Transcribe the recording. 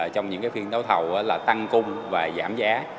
trong những phiên đấu thầu là tăng cung và giảm giá